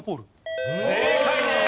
正解です！